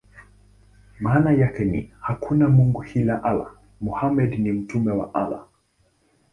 Maana yake ni: "Hakuna mungu ila Allah; Muhammad ni mtume wa Allah".